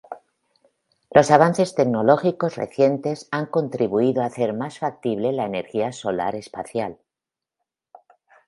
Los avances tecnológicos recientes han contribuido a hacer más factible la energía solar espacial.